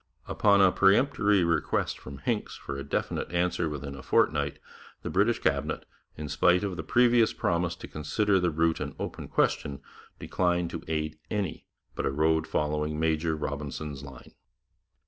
Upon a peremptory request from Hincks for a definite answer within a fortnight, the British Cabinet, in spite of the previous promise to consider the route an open question, declined to aid any but a road following Major Robinson's line.